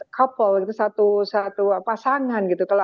koppel satu satu apa sangat gitu kalau